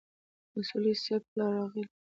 اصولي صیب پلار راغی.